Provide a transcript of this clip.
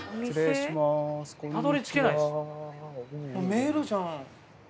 迷路じゃん。